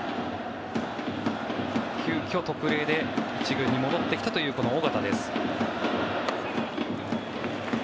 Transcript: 急きょ、特例で１軍に戻ってきたという尾形です。